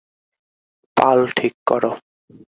পাল ঠিক করো!